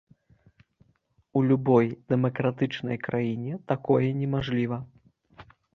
У любой дэмакратычнай краіне такое немажліва.